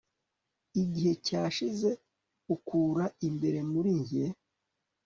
Igihe cyashize ukura imbere muri njye